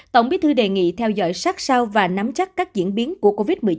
tổng bí thư đề nghị theo dõi sát sao và nắm chắc các diễn biến của covid một mươi chín